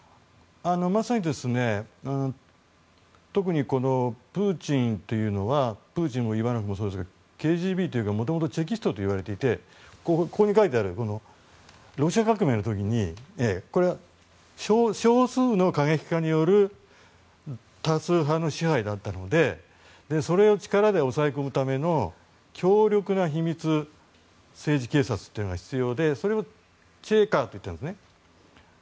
まさに特にプーチンというのはＫＧＢというか、もともとチェキストと言われていてここに書いてあるロシア革命の時に少数の過激派による多数派の支配だったのでそれを力で抑え込むための強力な秘密政治警察というのが必要でそれをチェーカーと言っていたんですね。